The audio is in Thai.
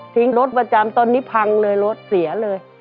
รถประจำตอนนี้พังเลยรถเสียเลย